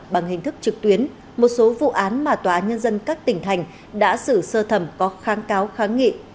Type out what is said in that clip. bằng hình thức trực tuyến một số vụ án mà tòa án nhân dân các tỉnh thành đã xử sơ thẩm có kháng cáo kháng nghị